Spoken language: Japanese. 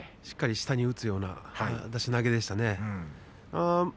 しっかり下に下に打つような出し投げでしたね。